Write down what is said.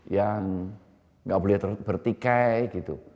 yang nggak boleh bertikai gitu